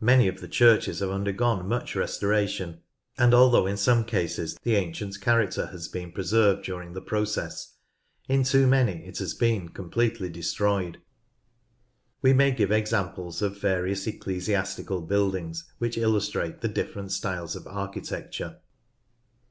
Many of the churches have undergone much restora tion, and although in some cases the ancient character has been preserved during the process, in too many it has been completely destroyed. We may give examples of various ecclesiastical buildings which illustrate the different styles of architecture.